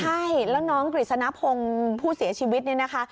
ใช่แล้วน้องกฤษณพงศ์ผู้เสียชีวิตเนี่ยนะคะ